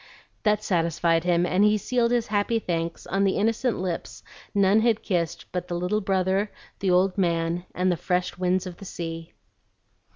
That satisfied him, and he sealed his happy thanks on the innocent lips none had kissed but the little brother, the old man, and the fresh winds of the sea.